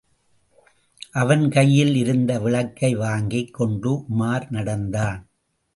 அவன் கையில் இருந்த விளக்கை வாங்கிக் கொண்டு உமார் நடந்தான்.